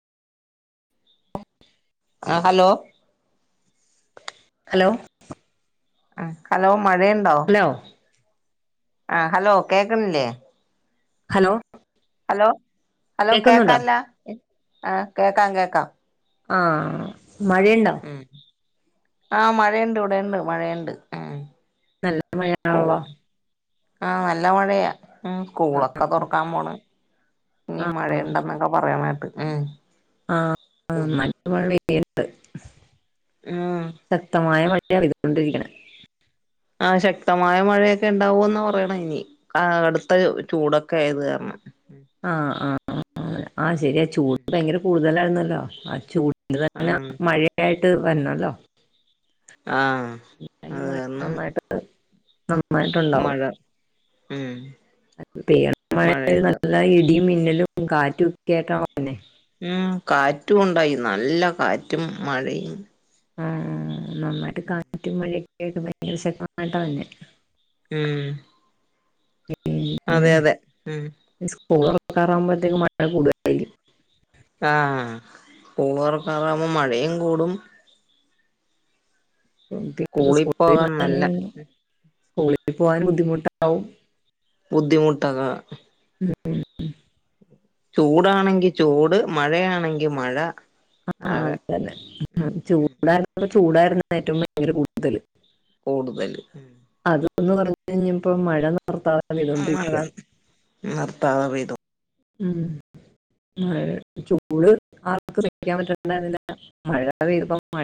ആഹ് hello hello ആഹ് hello മഴയുണ്ടോ ണ്ടോ ആഹ് ഹലോ കേൾക്കണില്ലേ ഹലോ ഹലോ ഹലോ കേക്കുന്നുണ്ടോ കേക്കാല്ല ആഹ് കേൾക്കാം കേൾക്കാം ആഹ് മഴയുണ്ടോ ആഹ് മഴയുണ്ട് ഇവിടെുണ്ട് മഴയുണ്ട് ഉം നല്ല കോ മഴയാണല്ലോ ആഹ് നല്ല മഴയാ ഉം സ്കൂളൊക്കെ തുറക്കാൻ പോണ് ഇനി ആ ആ മഴുണ്ടന്നൊക്കെ പറയണ് കേട്ട് ഉം ആഹ് നല്ല മഴ പെയ്യ്ണ്ട് ആഹ് ശക്തമായ മഴ പെയ്തുകൊണ്ടിരിക്കണ ആഹ് ശക്തമായ മഴയൊക്കെ ഉണ്ടാവൂന്ന് പറയണ് ഇനി ആഹ് കടുത്ത ചൂടൊക്കെ ആയത് കാരണം ആഹ് ആഹ് ആഹ് ശരിയാ ചൂട് ഭയങ്കര കൂടുതലായിന്നല്ലോ ആഹ് ചൂട് എന്നാലെ ഉം മഴയായിട്ട് വരണല്ലോ ആ അത് മഴ കാരണം നന്നായിട്ട് നന്നായിട്ടുണ്ടാവും മഴ ഉം പെയത മഴ മഴയുണ്ട് നല്ല ഇടിയും മിന്നലും കാറ്റുംക്കട്ടന്നെ ഉം കാറ്റും ഉണ്ടായി നല്ല കാറ്റും മഴയും ആഹ് നന്നായിട്ട് കാറ്റും മഴിയൊക്കെ ഭയങ്കരം തന്നെ ഉം അതെ അതെ ഉം സ്‌കൂള് തൊറക്കാറാവുമ്പോഴത്തേക്ക് മഴ കൂടുതലായിരിക്കും ആഹ് സ്‌കൂള് തൊറക്കാറാവുമ്പോ മഴയും കൂടും സ്കൂള് സ്കൂളിൽ പോകാൻ നല്ല സ്കൂളിൽ പോകാൻ ബുദ്ധിമുട്ടാാവും ബുദ്ധിമുട്ടുക ചൂടാണെങ്കി ചൂട് മഴയാണെങ്കിൽ മഴ ആകെ ആന് അതന്നെ ചൂടായിരുന്നപ്പോ ചൂടായിരുന്നു ഏറ്റവും ഭയങ്കര കൂടുതല് കൂടുതല് അതൊന്ന് കുറഞ്ഞ് കഴിഞ്ഞപ്പോ മഴ ഭർത്താവിൻ്റെ വീട് ആഹ് നിർത്താതെ പെയ്തും ഉം ആഹ് ചൂട് ആർക്കും സഹിക്കാൻ പറ്റില്ല മഴ പെയ്തപ്പഴും